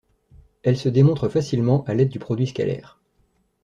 Elle se démontre facilement à l'aide du produit scalaire.